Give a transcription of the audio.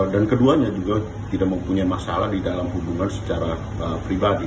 dan keduanya juga tidak mempunyai masalah di dalam hubungan secara pribadi